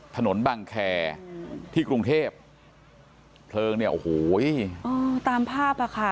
ถนนบังแคร์ที่กรุงเทพเพลิงเนี่ยโอ้โหตามภาพอ่ะค่ะ